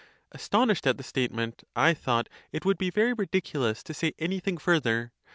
Astonished at the statement, I thought it would be very ridiculous to say any thing further.